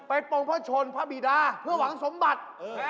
ไปโปรงภทชนพระบูดาเผื่อหวังสมบัติ